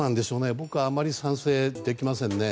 僕はあまり賛成できませんね。